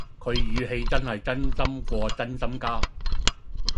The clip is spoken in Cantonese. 佢語氣真係真心過真心膠